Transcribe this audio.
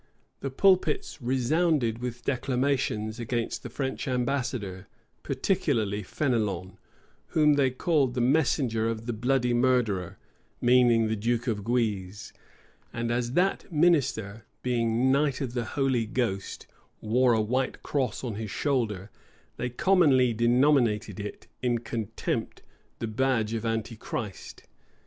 The pulpits resounded with declamations against the French ambassadors; particularly Fenelon, whom they called the messenger of the bloody murderer, meaning the duke of Guise: and as that minister, being knight of the Holy Ghost, wore a white cross on his shoulder, they commonly denominated it, in contempt, the badge of Antichrist.